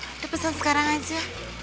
udah pesen sekarang aja